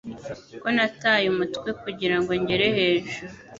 ko nataye umutwe kugirango ngere hejuru